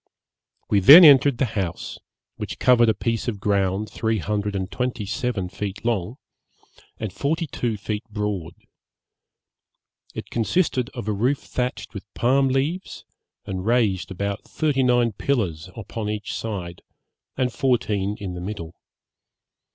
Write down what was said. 'We then entered the house, which covered a piece of ground three hundred and twenty seven feet long, and forty two feet broad. It consisted of a roof thatched with palm leaves, and raised upon thirty nine pillars on each side, and fourteen in the middle.